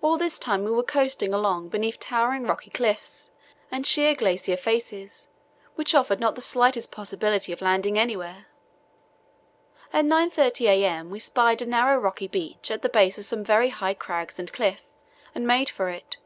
"All this time we were coasting along beneath towering rocky cliffs and sheer glacier faces, which offered not the slightest possibility of landing anywhere. At 9.30 a.m. we spied a narrow, rocky beach at the base of some very high crags and cliff, and made for it.